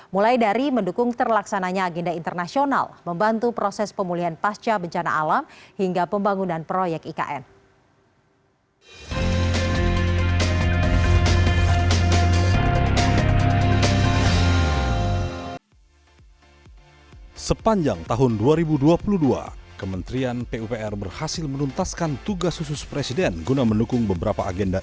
mulai dari mendukung terlaksananya agenda internasional membantu proses pemulihan pasca bencana alam hingga pembangunan proyek ikn